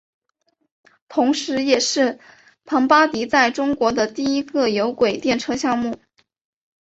同时也是庞巴迪在中国的第一个有轨电车项目。